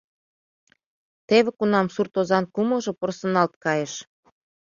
Теве кунам сурт озан кумылжо порсыналт кайыш.